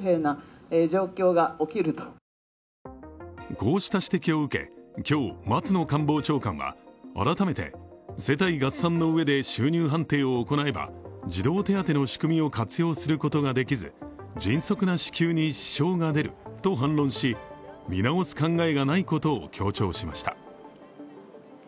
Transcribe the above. こうした指摘を受け、今日、松野官房長官は改めて世帯合算のうえで収入判定を行えば児童手当の仕組みを活用することができず迅速な支給に支障が出ると反論し見直す考えがないことを強調しました。